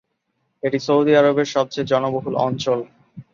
এটি সৌদি আরবের সবচেয়ে জনবহুল অঞ্চল।